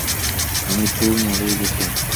আমি তো মরেই গেছি।